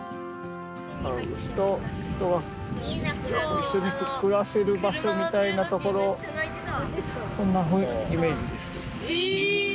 牛と人が一緒に暮らせる場所みたいなところ、そんなイメージですけど。